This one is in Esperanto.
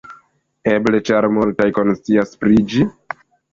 Eble ĉar malmultaj konscias pri ĝi?